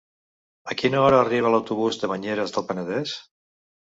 A quina hora arriba l'autobús de Banyeres del Penedès?